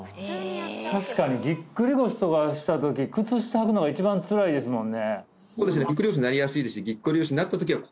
確かにぎっくり腰とかしたとき靴下はくのが一番つらいですもんね